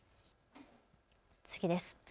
次です。